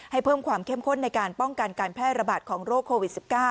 เพิ่มความเข้มข้นในการป้องกันการแพร่ระบาดของโรคโควิด๑๙